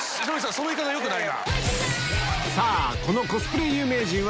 その言い方よくないなぁ！